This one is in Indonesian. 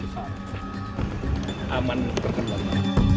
terima kasih pak ya